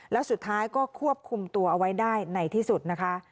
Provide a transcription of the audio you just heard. แล้วสุดท้ายก็ควบคุมตัวเอาไว้ได้ในที่สุดนะคะ